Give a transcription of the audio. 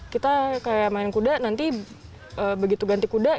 kita kayak main kuda nanti begitu ganti kuda